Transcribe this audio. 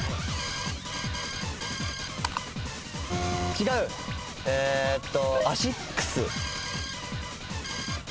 違う⁉えっと。